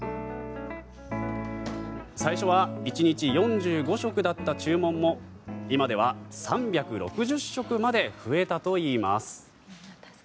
最初は１日４５食だった注文も今では３６０食まで増えたといいます。